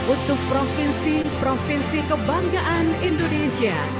untuk provinsi provinsi kebanggaan indonesia